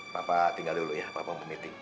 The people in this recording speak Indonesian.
papa tinggal dulu ya papa mau meeting